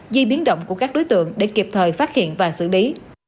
di biến động của các đối tượng để kịp thời phát hiện và xử lý